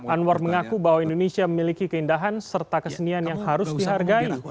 anwar mengaku bahwa indonesia memiliki keindahan serta kesenian yang harus dihargai